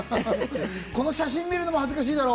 この写真見るのも恥ずかしいだろ。